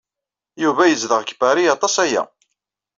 Yuba yezdeɣ deg Pari aṭas aya.